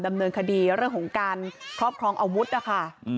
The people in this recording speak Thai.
ดำเนินคดีเรื่องของการครอบครองอาวุธนะคะ